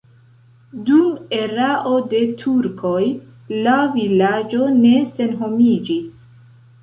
Dum erao de turkoj la vilaĝo ne senhomiĝis.